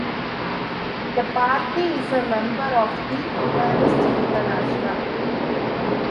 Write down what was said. The party is a member of the Humanist International.